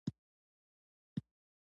له موږ سره وغږېد